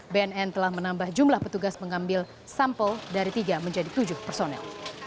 bnn telah menambah jumlah petugas mengambil sampel dari tiga menjadi tujuh personel